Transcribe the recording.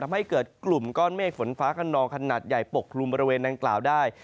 ทำให้เกิดกลุ่มก้อนเมฆฝนฟ้าขนองขนาดใหญ่ปกกลุ่มบริเวณดังกล่าวได้